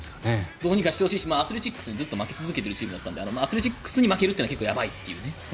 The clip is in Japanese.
どうにかしてほしいしずっとアスレチックスに負け続けているチームなのでアスレチックスに負けるというのは結構やばいというね。